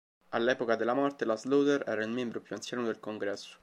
All'epoca della morte, la Slaughter era il membro più anziano del Congresso.